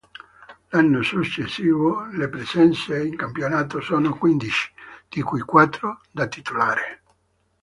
L'anno successivo le presenze in campionato sono quindici, di cui quattro da titolare.